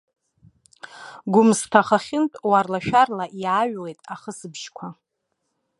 Гәымсҭа ахахьынтә уарлашәарла иааҩуеит ахысыбжьқәа.